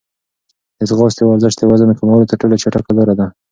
د ځغاستې ورزش د وزن د کمولو تر ټولو چټکه لاره ده.